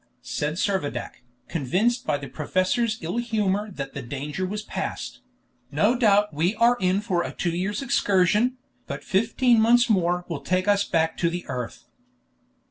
said Servadac, convinced by the professor's ill humor that the danger was past; "no doubt we are in for a two years' excursion, but fifteen months more will take us back to the earth!"